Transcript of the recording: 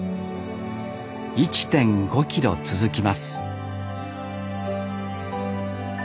１．５キロ続きます